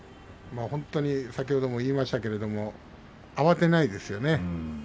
先ほども言いましたけれども慌てないですね。